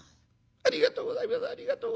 ありがとうございます。